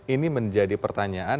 ini menjadi pertanyaan